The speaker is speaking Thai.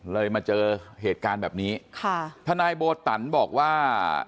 มาเจอเหตุการณ์แบบนี้ค่ะทนายโบตันบอกว่า